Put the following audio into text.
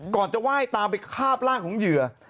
ก่อนจะไหว้ตามไปคาบร่างของเหยื่อ